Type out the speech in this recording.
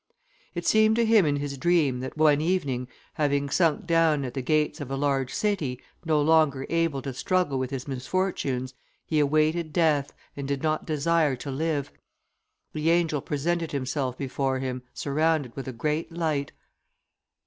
It seemed to him in his dream, that one evening, having sunk down at the gates of a large city, no longer able to struggle with his misfortunes, he awaited death, and did not desire to live. The angel presented himself before him, surrounded with a great light.